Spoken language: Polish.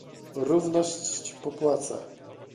Równość popłaca!